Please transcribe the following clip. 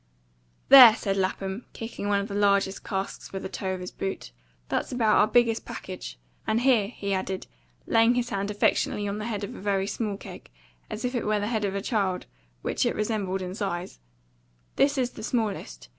"There!" said Lapham, kicking one of the largest casks with the toe of his boot, "that's about our biggest package; and here," he added, laying his hand affectionately on the head of a very small keg, as if it were the head of a child, which it resembled in size, "this is the smallest.